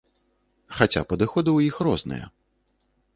Хаця падыходы ў іх розныя.